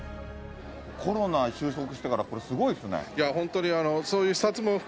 コロナ収束してからすごいですね。